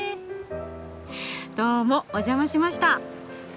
どうもお邪魔しました。